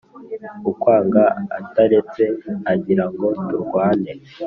ukwanga atiretse agira ngo turwane